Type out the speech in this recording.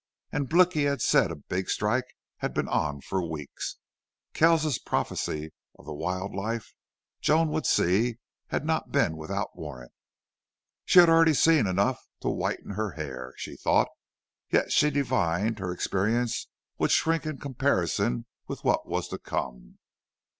And Blicky had said a big strike had been on for weeks. Kells's prophecy of the wild life Joan would see had not been without warrant. She had already seen enough to whiten her hair, she thought, yet she divined her experience would shrink in comparison with what was to come.